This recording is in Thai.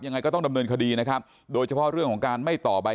ยังไงก็ต้องดำเนินคดีนะครับโดยเฉพาะเรื่องของการไม่ต่อใบ